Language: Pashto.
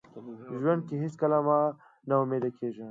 ژوند کې هیڅکله مه ناامیده کیږه.